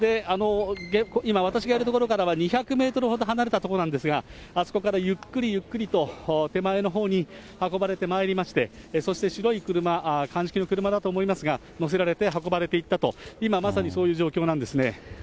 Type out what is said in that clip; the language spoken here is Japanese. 今、私がいる所からは、２００メートルほど離れた所なんですが、あそこからゆっくりゆっくりと、手前のほうに、運ばれてまいりまして、そして、白い車、鑑識の車だと思いますが、乗せられて、運ばれていったと、今まさにそういう状況なんですね。